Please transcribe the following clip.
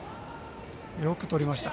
よくとりました。